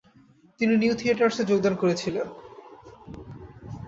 তিনি নিউ থিয়েটার্সে যোগদান করেছিলেন।